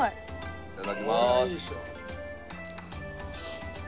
いただきます！